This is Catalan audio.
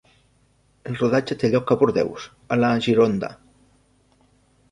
El rodatge té lloc a Bordeus, a la Gironda.